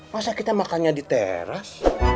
masa kita makannya di teras